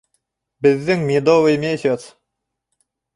Беҙҙең медовый месяц.